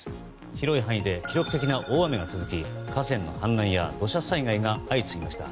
広い範囲で記録的な大雨が続き河川の氾濫や土砂災害が相次ぎました。